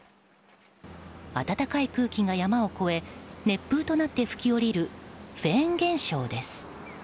暖かい空気が山を越え熱風となって吹き下りるフェーン現象です。